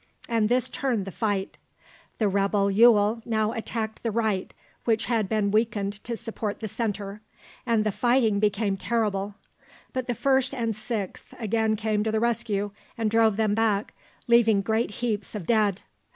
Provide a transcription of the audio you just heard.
And this turned the fight. The rebel Ewell now attacked the right, which had been weakened to support the centre, and the fighting became terrible; but the 1st and 6th again came to the rescue, and drove them back, leaving great heaps of dead.